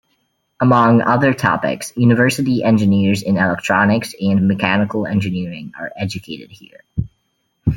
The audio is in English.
Among other topics, university engineers in electronics and mechanical engineering are educated here.